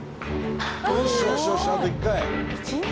あと１回！